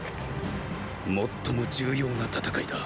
最も重要な戦いだ。